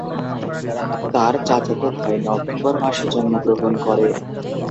তার চাচাতো ভাই নভেম্বর মাসে জন্মগ্রহণ করে।